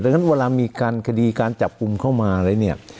ดังนั้นเวลามีการคดีการจับกลุ่มเข้ามาแล้วเนี่ย